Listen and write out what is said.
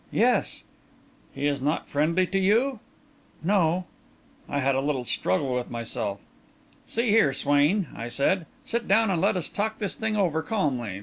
"Yes." "He is not friendly to you?" "No." I had a little struggle with myself. "See here, Swain," I said, "sit down and let us talk this thing over calmly.